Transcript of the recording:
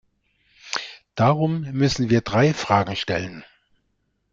Darum müssen wir drei Fragen stellen.